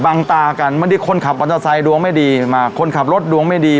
บังตากันมันได้คนขับวันเตอร์ไซด์ดวงไม่ดีมาคนขับรถดวงไม่ดี